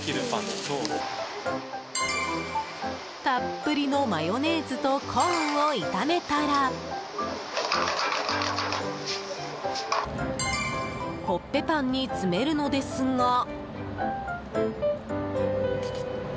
たっぷりのマヨネーズとコーンを炒めたらコッペパンに詰めるのですが。